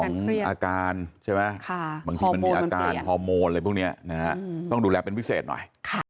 มีอาการใช่ไหมมีอาการฮอร์โมนต้องดูแลเป็นพิเศษหน่อย